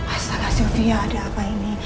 asal sylvia ada apa ini